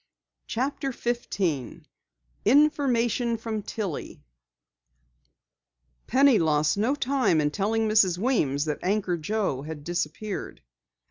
CHAPTER 15 INFORMATION FROM TILLIE Penny lost no time in telling Mrs. Weems that Anchor Joe had disappeared.